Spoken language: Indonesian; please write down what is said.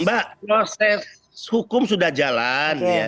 mbak proses hukum sudah jalan